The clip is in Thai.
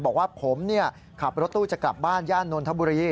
บอกว่าผมขับรถตู้จะกลับบ้านย่านนทบุรี